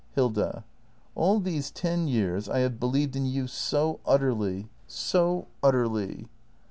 Hilda. All these ten years I have believed in you so utterly — so utterly.